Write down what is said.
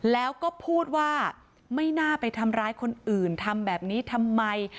แล้วก็พูดว่าไม่น่าไปทำร้ายคนอื่นทำแบบนี้ทำไม